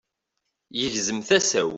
Yegzem tasa-w.